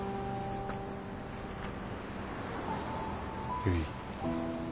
ゆい。